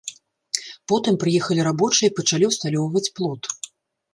Потым прыехалі рабочыя і пачалі ўсталёўваць плот.